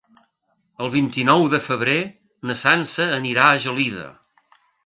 El vint-i-nou de febrer na Sança anirà a Gelida.